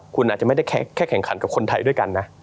คุณอาจจะไม่ได้แค่แข่งขันกับคนไทยด้วยกันนะ